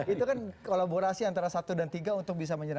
itu kan kolaborasi antara satu dan tiga untuk bisa menyerang